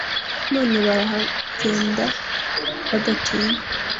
none barahagenda badatinya